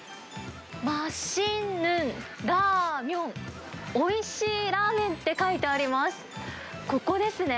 マシヌンラーミョン、おいしいラーメンって書いてあります。